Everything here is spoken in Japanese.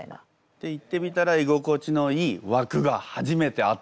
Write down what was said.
行ってみたら居心地のいいわくが初めてあったんだ。